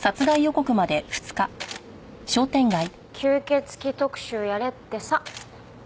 吸血鬼特集やれってさ。